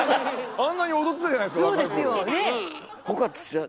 あんなに踊ってたじゃないですか若い頃。